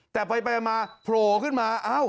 แต่ไปมาโผล่ขึ้นมา